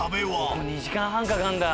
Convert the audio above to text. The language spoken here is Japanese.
ここ２時間半かかるんだ。